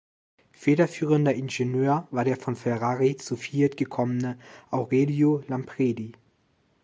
Federführender Ingenieur war der von Ferrari zu Fiat gekommene Aurelio Lampredi.